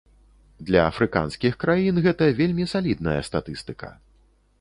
Для афрыканскіх краін гэта вельмі салідная статыстыка.